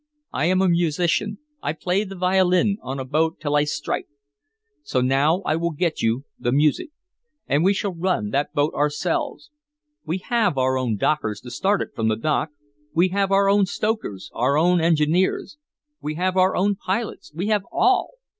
I am a musician I play the violin on a boat till I strike so now I will get you the music. And we shall run that boat ourselves! We have our own dockers to start it from dock we have our own stokers, our own engineers we have our own pilots we have all!